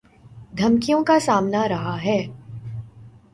دھمکیوں کا سامنا رہا ہے